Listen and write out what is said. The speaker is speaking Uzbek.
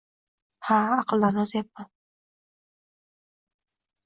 - Ha, aqldan ozyapman!